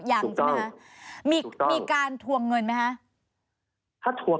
ยังใช่ไหมคะมีการทวงเงินไหมคะ